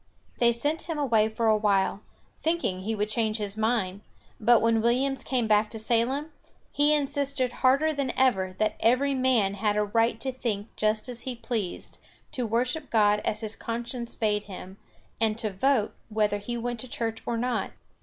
They sent him away for a while, thinking he would change his mind; but when Williams came back to Salem, he insisted harder than ever that every man had a right to think just as he pleased, to worship God as his conscience bade him, and to vote whether he went to church or not.